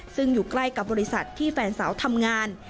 ซึ่งอยู่ใกล้กับบริษัทที่แฟนสาวทำงาน